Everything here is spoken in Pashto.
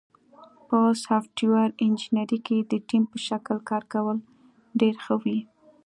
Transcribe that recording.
په سافټویر انجینری کې د ټیم په شکل کار کول ډېر ښه وي.